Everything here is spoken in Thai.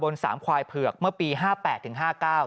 ปี๖๕วันเกิดปี๖๔ไปร่วมงานเช่นเดียวกัน